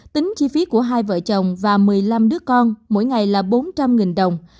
tính chi phí của hai vợ chồng và một mươi năm đứa con mỗi ngày là bốn trăm linh đồng